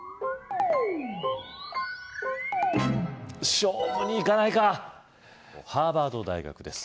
勝負にいかないかハーバード大学です